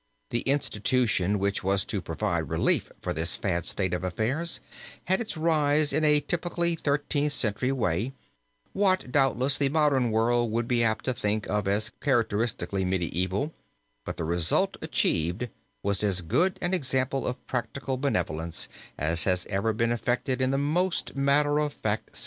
The institution which was to provide relief for this sad state of affairs had its rise in a typically Thirteenth Century way what, doubtless, the modern world would be apt to think of as characteristically medieval but the result achieved was as good an example of practical benevolence as has ever been effected in the most matter of fact of centuries.